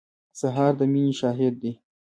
سهار د مینې شاهد دی.